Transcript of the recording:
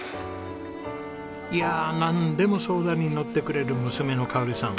いやなんでも相談にのってくれる娘のかおりさん。